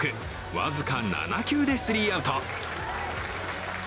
僅か７球でスリーアウト。